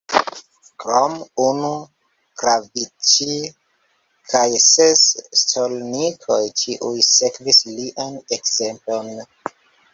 Krom unu kravĉij kaj ses stolnikoj ĉiuj sekvis lian ekzemplon.